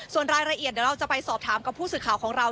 ส่วนรายละเอียดเดี๋ยวเราจะไปสอบถามกับผู้สื่อข่าวของเรา